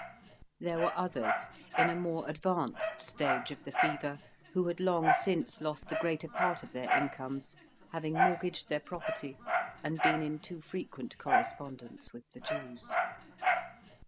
There were others in a more advanced stage of the fever, who had long since lost the greater part of their incomes, having mortgaged their property, and been in too frequent correspondence with the Jews.